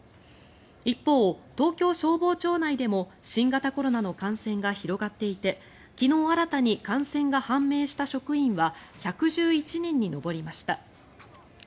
一方、東京消防庁内でも新型コロナの感染が広がっていて昨日新たに感染が判明した職員は１１１人に上りました。